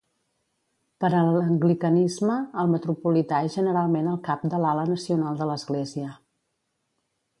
Per a l'anglicanisme, el metropolità és generalment el cap de l'ala nacional de l'església.